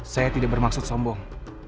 saya tidak bermaksud sombong